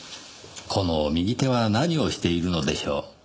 この右手は何をしているのでしょう？